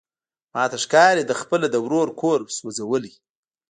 ماته ښکاري ده خپله د ورور کور سوزولی.